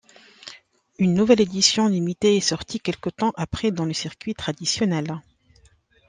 Une nouvelle édition limitée est sortie quelque temps après dans le circuit traditionnel.